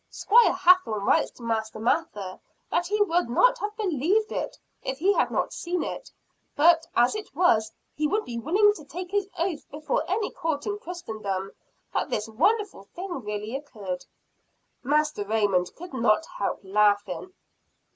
Squire Hathorne writes to Master Mather that he would not have believed it, if he had not seen it; but, as it was, he would be willing to take his oath before any Court in Christendom, that this wonderful thing really occurred." Master Raymond could not help laughing.